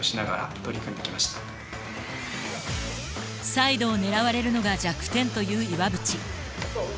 サイドを狙われるのが弱点という岩渕。